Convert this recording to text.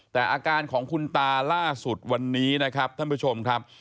แต่อาการของคุณตาล่าสุดวันนี้นะครับท่านผู้ชมครับ